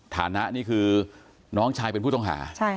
ฐานะนี่คือน้องชายเป็นผู้ต้องหา